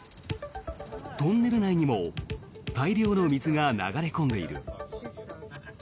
トンネル内にも大量の水が流れ込んでいる。